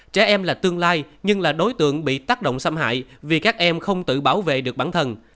trẻ em là tương lai nhưng là đối tượng bị tác động xâm hại vì các em không tự bảo vệ được bản thân